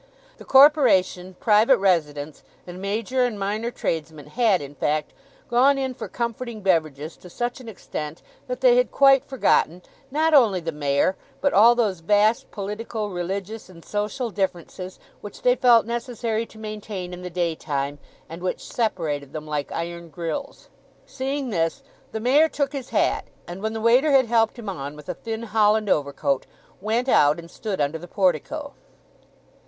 The Corporation, private residents, and major and minor tradesmen had, in fact, gone in for comforting beverages to such an extent that they had quite forgotten, not only the Mayor, but all those vast, political, religious, and social differences which they felt necessary to maintain in the daytime, and which separated them like iron grills. Seeing this the Mayor took his hat, and when the waiter had helped him on with a thin holland overcoat, went out and stood under the portico.